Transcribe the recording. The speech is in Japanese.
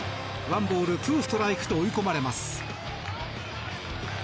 ワンボール、ツーストライクと追い込まれます。